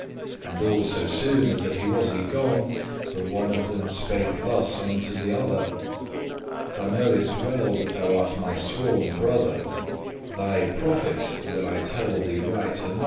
And all so soon as that he was y gone, The one of them spake thus unto the other; "Thou knowest well that thou art my sworn brother, *Thy profit* will I tell thee right anon.